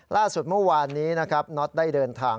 ล่าสุดเมื่อวานนี้นะครับน็อตได้เดินทาง